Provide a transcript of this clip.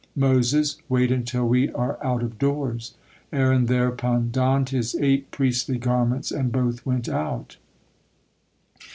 Moses: "Wait until we are out of doors." Aaron thereupon donned his eight priestly garments and both went out.